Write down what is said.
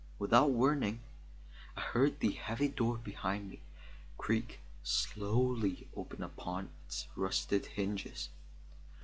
Without warning, I heard the heavy door behind me creak slowly open upon its rusted hinges.